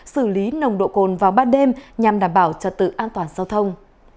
xử lý nồng độ cồn vào ban đêm nhằm đảm bảo trật tự an toàn giao thông